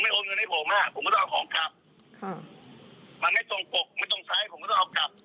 กลัวแค่เจอความทรงครับแต่ว่ามีคนห้ามไว้ครับ